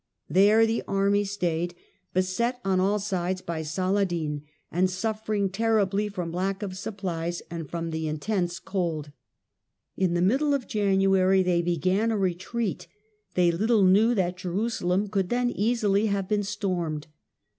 There the army stayed, beset on all sides by Saladin, and suffering terribly from lack of sup plies and from the intense cold. In the middle of January they began a retreat; they little knew that Jerusalem could then easily have been stormed.